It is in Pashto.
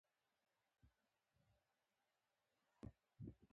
مني د سکوت ژبه لري